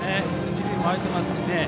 一塁も空いていますしね。